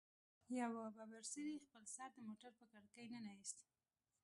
يوه ببر سري خپل سر د موټر په کړکۍ ننه ايست.